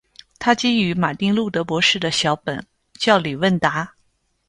它基于马丁·路德博士的小本《教理问答》。